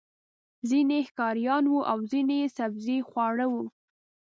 ځینې یې ښکاریان وو او ځینې یې سبزيخواره وو.